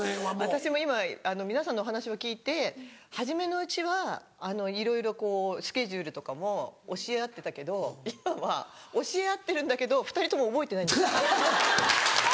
私も今皆さんのお話を聞いて初めのうちはいろいろこうスケジュールとかも教え合ってたけど今は教え合ってるんだけど２人とも覚えてないんです。